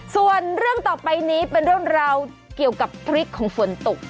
ส่วนเรื่องต่อไปนี้เป็นเรื่องราวเกี่ยวกับพริกของฝนตก